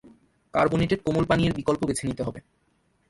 Carbonated কোমল পানীয়ের বিকল্প বেছে নিতে হবে।